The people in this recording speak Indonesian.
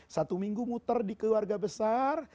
satu minggu muter di keluarga besar